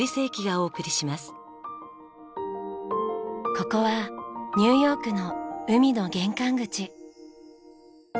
ここはニューヨークの海の玄関口。